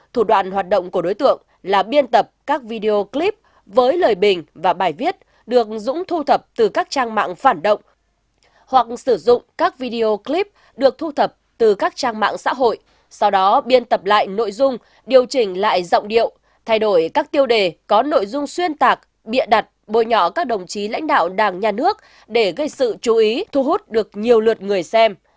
thủ đoạn hoạt động của đối tượng là biên tập các video clip với lời bình và bài viết được dũng thu thập từ các trang mạng phản động hoặc sử dụng các video clip được thu thập từ các trang mạng xã hội sau đó biên tập lại nội dung điều chỉnh lại giọng điệu thay đổi các tiêu đề có nội dung xuyên tạc bịa đặt bôi nhọ các đồng chí lãnh đạo đảng nhà nước để gây sự chú ý thu hút được nhiều lượt người xem